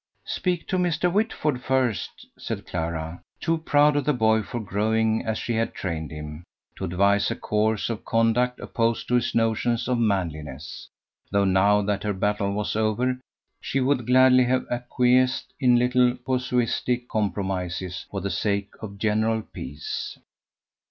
"Speak to Mr. Whitford first," said Clara, too proud of the boy for growing as she had trained him, to advise a course of conduct opposed to his notions of manliness, though now that her battle was over she would gladly have acquiesced in little casuistic compromises for the sake of the general peace.